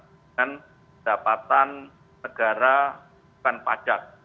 dengan dapatan negara bukan pajak